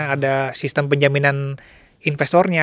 ada sistem penjaminan investornya